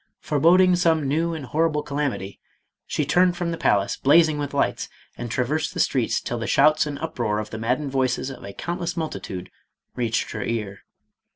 Foreboding some new and horrible calamity, 512 MADAME ROLAND. she turned from the palace, blazing with lights, and traversed the streets till the shouts and uproar of the maddened voices of a countless multitude reached her ear.